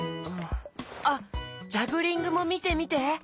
あっジャグリングもみてみて。